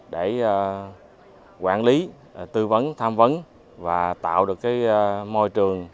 để quản lý tư vấn tham vấn và tạo được môi trường